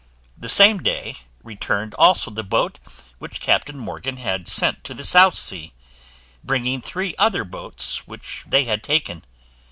The same day returned also the boat which Captain Morgan had sent to the South Sea, bringing three other boats which they had taken.